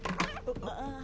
ああ。